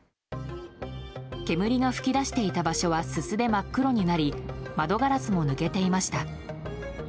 煙が噴き出していた場所はすすで真っ黒になり窓ガラスも抜けていました。